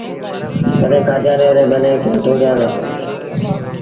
تڏهيݩ ڪآديآنيآن ريٚݩ ٻنيآݩ کي ٽوڙيآندي۔